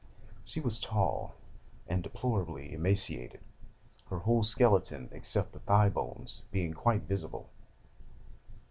She was tall and deplorably emaciated, her whole skeleton, except the thigh bones, being quite visible.